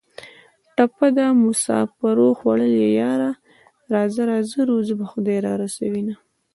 ټپه ده: مسافرو خوړلیه یاره راځه راځه روزي به خدای را رسوینه